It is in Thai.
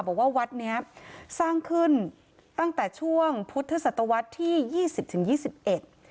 บอกว่าวัดนี้สร้างขึ้นตั้งแต่ช่วงพุทธศตวรรษที่๒๐ถึง๒๑